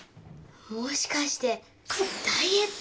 もしかしてダイエット？